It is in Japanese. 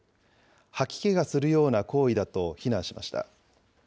吐き気がするような行為だと非難しました。